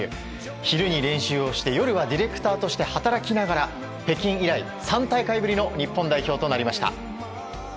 昼に練習をして夜はディレクターとして働きながら北京以来３大会ぶりの日本代表となりました。